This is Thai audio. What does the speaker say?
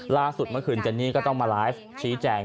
ล่าสุดเมื่อคืนเจนนี่ก็ต้องมาไลฟ์ชี้แจง